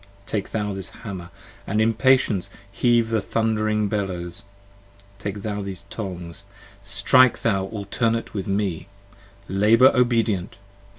Take thou this Hammer & in patience heave the thundering Bellows, 40 Take thou these Tongs: strike thou alternate with me: labour obedient.